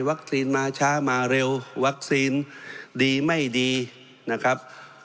มาช้ามาเร็ววัคซีนดีไม่ดีนะครับ